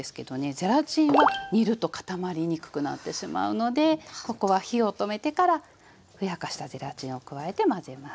ゼラチンは煮ると固まりにくくなってしまうのでここは火を止めてからふやかしたゼラチンを加えて混ぜます。